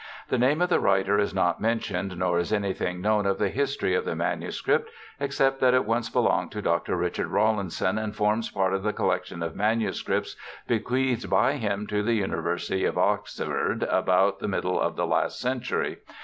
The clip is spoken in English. The name of the writer is not mentioned nor is anything known of the history of the MS., except that it once belonged to Dr. Richard Rawhnson and forms part of the collection of MSS. bequeathed by him to the University of Oxford about the middle of the last century.